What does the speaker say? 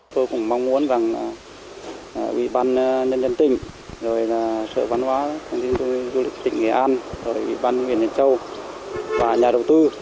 tôi cũng mong muốn rằng ủy ban nhân dân tỉnh sở văn hóa tỉnh nghệ an ủy ban nguyễn đình châu và nhà đầu tư